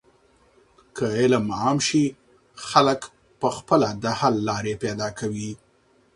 که علم عام شي، خلک په خپله د حل لارې پیدا کوي.